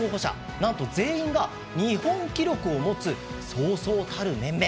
なんと全員が日本記録を持つそうそうたる面々。